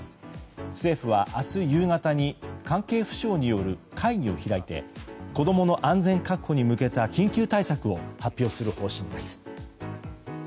政府は明日夕方に関係府省による会議を開いて子供の安全確保に向けた緊急対策を発表する方針です。